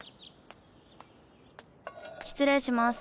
失礼します